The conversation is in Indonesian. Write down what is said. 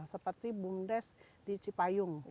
seperti bumdes di cipayung